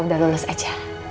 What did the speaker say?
udah lulus aja